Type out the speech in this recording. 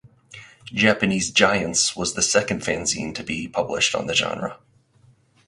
Japanese Giants was the second fanzine to be published on the genre.